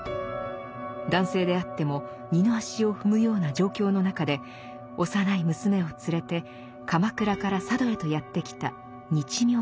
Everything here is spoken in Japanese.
男性であっても二の足を踏むような状況の中で幼い娘を連れて鎌倉から佐渡へとやって来た日妙尼。